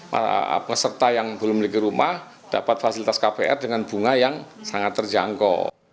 para peserta yang belum memiliki rumah dapat fasilitas kpr dengan bunga yang sangat terjangkau